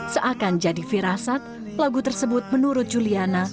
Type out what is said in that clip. seakan jadi firasat lagu tersebut menurut juliana